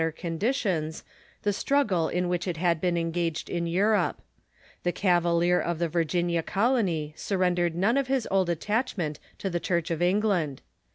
i<3er conditions, the struggle in which it had been engaged in Europe. The Cavalier of the Virginia Colonv surrendered none of his old attachment to the 432 THE CHURCH IN TUE UNITED STATES Church of England.